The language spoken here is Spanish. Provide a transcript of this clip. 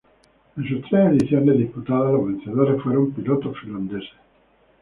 En sus tres ediciones disputadas los vencedores fueron pilotos finlandeses.